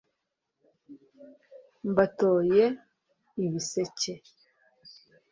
mbatoye ibiseke !